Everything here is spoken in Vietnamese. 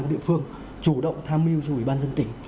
địa phương chủ động tham mưu cho ủy ban dân tỉnh